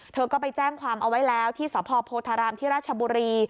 เธอก็ไปแจ้งความเอาไว้แล้วที่สพโพธารามที่ราชบุรี